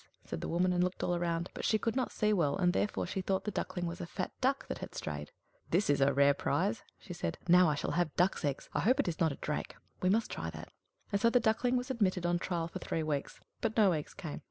said the woman, and looked all round; but she could not see well, and therefore she thought the Duckling was a fat duck that had strayed. "This is a rare prize!" she said. "Now I shall have duck's eggs. I hope it is not a drake. We must try that." And so the Duckling was admitted on trial for three weeks; but no eggs came.